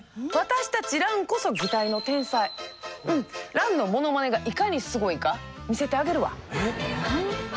ランのモノマネがいかにすごいか見せてあげるわ！